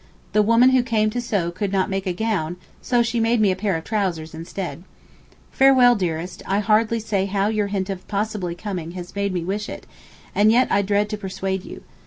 The woman who came to sew could not make a gown, so she made me a pair of trousers instead. Farewell, dearest, I dare hardly say how your hint of possibly coming has made me wish it, and yet I dread to persuade you.